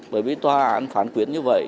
bởi vì tòa án phán quyết như vậy